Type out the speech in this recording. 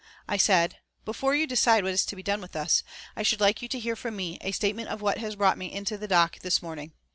I said, "Before you decide what is to be done with us, I should like you to hear from me a statement of what has brought me into the dock this morning."